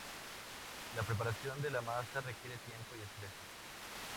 La preparación de la masa requiere tiempo y destreza.